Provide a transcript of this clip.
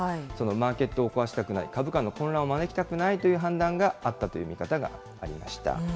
マーケットを壊したくない、株価の混乱を招きたくないという判断があったという見方がありました。